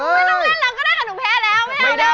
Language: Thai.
ไม่ต้องเล่นเราก็ได้ค่ะหนูแพ้แล้วไม่ได้